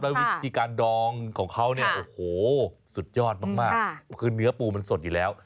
แล้ววิธีการดองของเขาเนี่ยโอ้โหสุดยอดมากคือเนื้อปูมันสดอยู่แล้ว